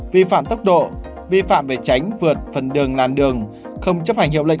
vi phạm tốc độ vi phạm về tránh vượt phần đường làn đường không chấp hành hiệu lệnh